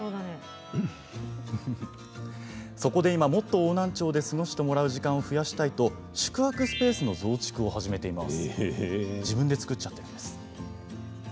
そこで今、もっと邑南町で過ごしてもらう時間を増やしたいと宿泊スペースの増築を始めています。